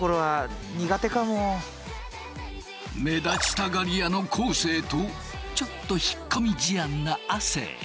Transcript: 目立ちたがり屋の昴生とちょっと引っ込み思案な亜生。